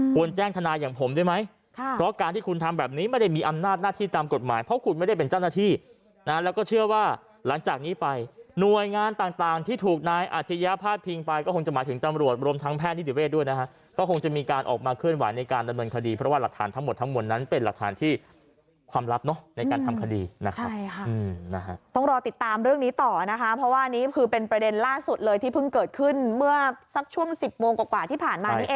ควรแจ้งทนายอย่างผมได้ไหมเพราะการที่คุณทำแบบนี้ไม่ได้มีอำนาจหน้าที่ตามกฎหมายเพราะคุณไม่ได้เป็นเจ้าหน้าที่แล้วก็เชื่อว่าหลังจากนี้ไปหน่วยงานต่างที่ถูกนายอาจริยะภาพพิงไปก็คงจะหมายถึงตำรวจรวมทางแพทย์นิติเวทย์ด้วยนะฮะก็คงจะมีการออกมาเคลื่อนไหวในการดำเนินคดีเพราะว่าหลักฐานทั้